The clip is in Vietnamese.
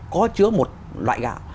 có chứa một loại gạo